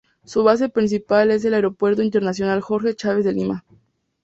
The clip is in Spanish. Su base principal es el Aeropuerto Internacional Jorge Chávez de Lima.